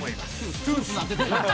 トゥースになってた。